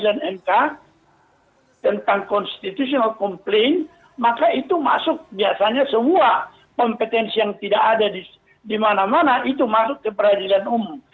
putusan mk tentang constitutional komplain maka itu masuk biasanya semua kompetensi yang tidak ada di mana mana itu masuk ke peradilan umum